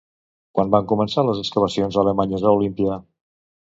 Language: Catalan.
Quan van començar les excavacions alemanyes a Olímpia?